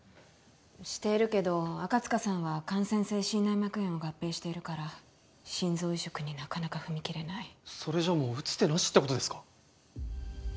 しているけど赤塚さんは感染性心内膜炎を合併しているから心臓移植になかなか踏み切れないそれじゃもう打つ手なしってことですか？